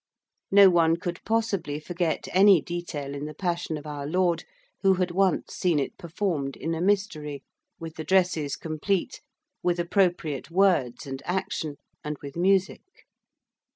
No one could possibly forget any detail in the Passion of Our Lord who had once seen it performed in a Mystery, with the dresses complete, with appropriate words and action, and with music.